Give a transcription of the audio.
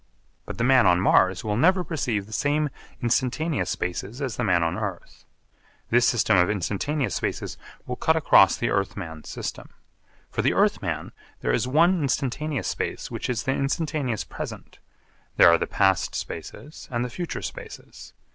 But the man on Mars will never perceive the same instantaneous spaces as the man on the earth. This system of instantaneous spaces will cut across the earth man's system. For the earth man there is one instantaneous space which is the instantaneous present, there are the past spaces and the future spaces.